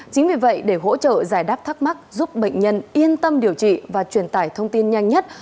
chính vì vậy để hỗ trợ giải đáp thắc mắc giúp bệnh nhân yên tâm điều trị và truyền tải thông tin nhanh nhất